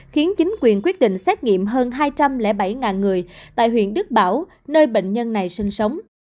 khiến chính quyền quyết định xét nghiệm hơn hai trăm linh bảy người tại huyện đức bảo nơi bệnh nhân này sinh sống